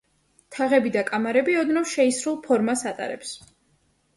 თაღები და კამარები ოდნავ შეისრულ ფორმას ატარებს.